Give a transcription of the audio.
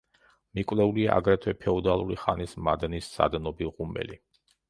მიკვლეულია აგრეთვე ფეოდალური ხანის მადნის სადნობი ღუმელი.